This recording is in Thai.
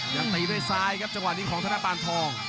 ยังตีด้วยซ้ายครับจังหวะนี้ของธนปานทอง